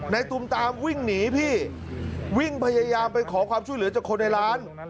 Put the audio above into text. ตุมตามวิ่งหนีพี่วิ่งพยายามไปขอความช่วยเหลือจากคนในร้าน